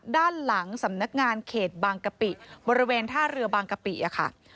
ด้านหลังสำนักงานเขตบางกะปิบริเวณท่าเรือบางกะปิค่ะ